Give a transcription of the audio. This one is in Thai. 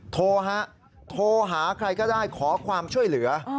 โทรฮะโทรหาใครก็ได้ขอความช่วยเหลือ